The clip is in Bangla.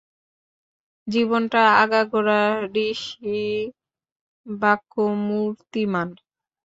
জীবনটা আগাগোড়া ঋষিবাক্য মূর্তিমান।